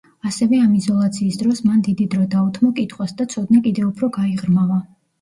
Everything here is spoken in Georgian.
ასევე ამ იზოლაციის დროს, მან დიდი დრო დაუთმო კითხვას და ცოდნა კიდევ უფრო გაიღრმავა.